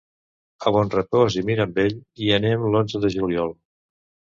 A Bonrepòs i Mirambell hi anem l'onze de juliol.